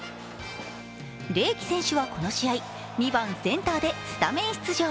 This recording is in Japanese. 怜希選手はこの試合、２番・センターでスタメン出場。